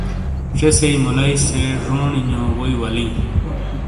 زیسئی مُلائی سے جونڈی نیو ووئی ولیں